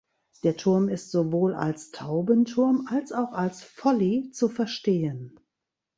Der Turm ist sowohl als Taubenturm als auch als Folly zu verstehen.